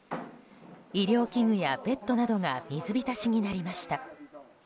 医療器具やベッドなどが水浸しになりました。